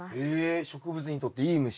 え植物にとっていい虫。